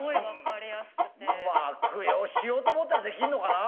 悪用しようと思ったらできんのかな？